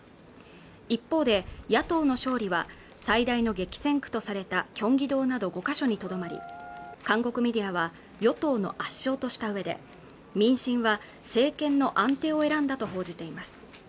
一方で野党の勝利は最大の激戦区とされたキョンギドなど５か所にとどまり韓国メディアは与党の圧勝とした上で民進は政権の安定を選んだと報じています